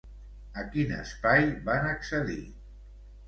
A quin espai van accedir?